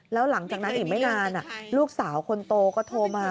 แล้วหลังจากนั้นอีกไม่นานลูกสาวคนโตก็โทรมา